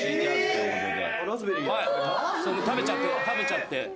食べちゃって。